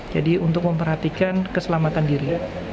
jadi untuk memperhatikan keselamatan diri